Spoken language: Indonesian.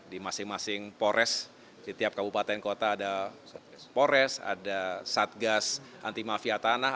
di masing masing polres di tiap kabupaten kota ada pores ada satgas anti mafia tanah